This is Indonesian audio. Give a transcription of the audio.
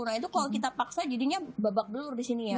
nah itu kalau kita paksa jadinya babak belur di sini ya